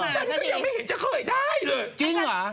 ยังไม่มาสักทีจริงเหรอฉันก็ยังไม่เห็นจะเคยได้เลย